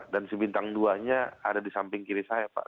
dan si bintang dua nya ada di samping kiri saya pak